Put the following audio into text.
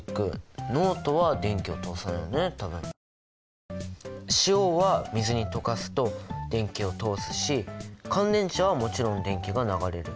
で塩は水に溶かすと電気を通すし乾電池はもちろん電気が流れる。